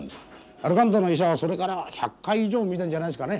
「アルカンタラの医者」はそれから１００回以上見てんじゃないですかね。